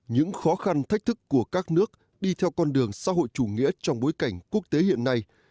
những khó khăn thách thức của các nước đi theo con đường xã hội chủ nghĩa trong bối cảnh quốc tế hiện nay